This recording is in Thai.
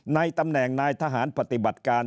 ในตำแหน่งนายทหารปฏิบัติการ